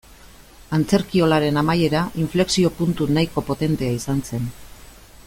Antzerkiolaren amaiera inflexio-puntu nahiko potentea izan zen.